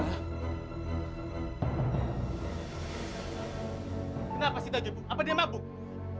kenapa sih najwa apa dia mabuk